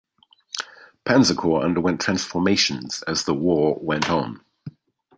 Panzer corps underwent transformation as the war went on.